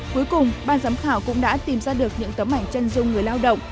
cuối cùng ban giám khảo cũng đã tìm ra được những tấm ảnh chân dung người lao động